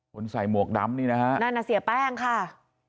ใส่หมวกดำนี่นะฮะนั่นน่ะเสียแป้งค่ะ